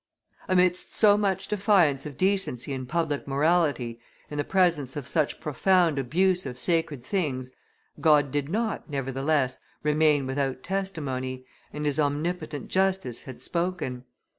Amidst so much defiance of decency and public morality, in the presence of such profound abuse of sacred things, God did not, nevertheless, remain without testimony, and his omnipotent justice had spoken.